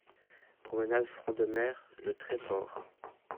Promenade Front de Mer, Le Tréport